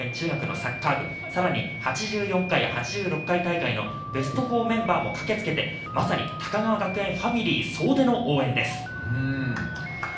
女子サッカー部や、高川学園中学のサッカー部、さらに８４回、８６回大会のベスト４メンバーも駆けつけて、まさに高川学園ファミリー総出の応援です。